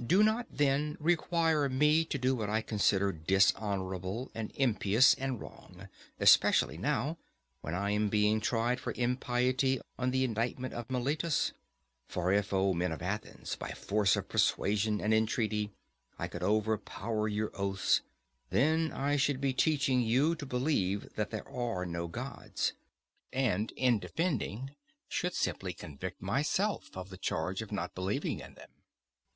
Do not then require me to do what I consider dishonourable and impious and wrong, especially now, when I am being tried for impiety on the indictment of Meletus. For if, O men of Athens, by force of persuasion and entreaty I could overpower your oaths, then I should be teaching you to believe that there are no gods, and in defending should simply convict myself of the charge of not believing in them.